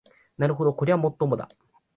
なるほどこりゃもっともだ